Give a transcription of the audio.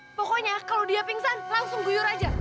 pokoknya kalau dia pingsan langsung guyur aja